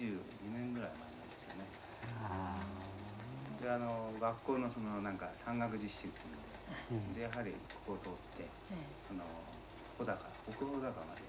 であの学校のその何か山岳実習っていうのでやはりここを通ってその穂高奥穂高まで。